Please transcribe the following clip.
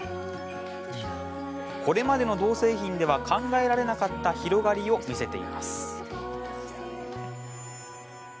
これまでの銅製品では考えられなかった広がりを見せています。